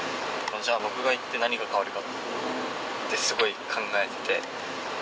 じゃあ僕が行って何が変わるかって、すごい考えてて。